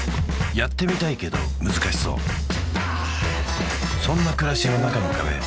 やってみたいけど難しそうそんな暮らしの中の壁